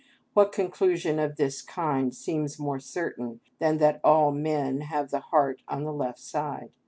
What conclusion of this kind seems more certain than that all men have the heart on the left side?